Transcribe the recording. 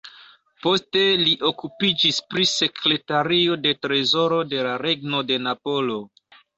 Poste li okupiĝis pri sekretario de trezoro de la Regno de Napolo.